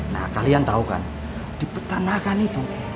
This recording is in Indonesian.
nah kalian tahu kan di petanakan itu